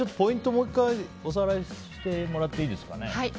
もう１回おさらいしてもらっていいですか。